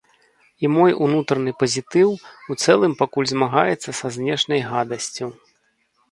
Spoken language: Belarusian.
І мой унутраны пазітыў у цэлым пакуль змагаецца са знешняй гадасцю.